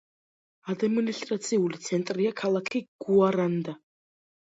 ადმინისტრაციული ცენტრია ქალაქი გუარანდა.